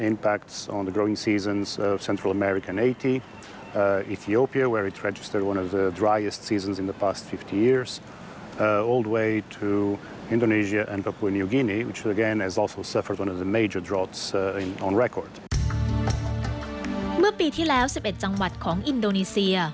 เมื่อปีที่แล้ว๑๑จังหวัดของอินโดนีเซีย